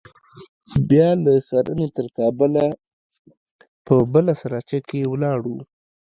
بيا له ښرنې تر کابله په بله سراچه کښې ولاړو.